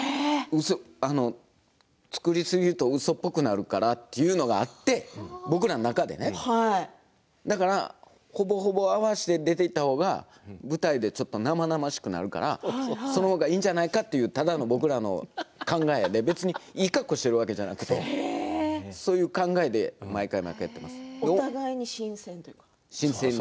作りすぎるとうそっぽくなるからというのがあって、僕らの中でねだから、ほぼほぼ合わせて出ていた方が舞台で生々しくなるからその方がいいんじゃないかという僕らの考えで別に、いい格好しているわけではなくて、そういう考えで毎回、新鮮なんですね。